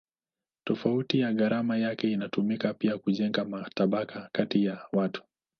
Tofauti ya gharama yake inatumika pia kujenga matabaka kati ya watu.